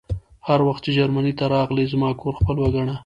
هر وخت چې جرمني ته راغلې زما کور خپل وګڼه